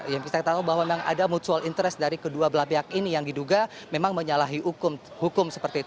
yang kita tahu bahwa memang ada mutual interest dari kedua belah pihak ini yang diduga memang menyalahi hukum seperti itu